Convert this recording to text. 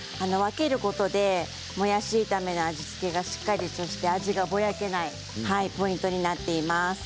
分けることでもやし炒めの味付けがしっかりとして味がぼやけないポイントになっています。